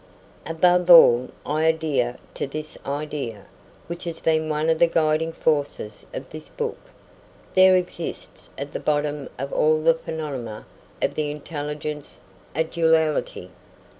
Above all, I adhere to this idea, which has been one of the guiding forces of this book: there exists at the bottom of all the phenomena of the intelligence, a duality.